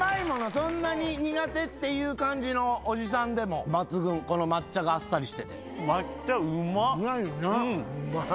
そんなに苦手っていう感じのおじさんでも抜群この抹茶があっさりしてて。